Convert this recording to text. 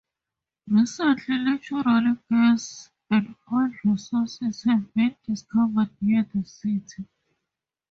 Recently, natural gas and oil resources have been discovered near the city.